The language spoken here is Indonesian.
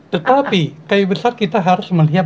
tetapi kayu besar kita harus melihat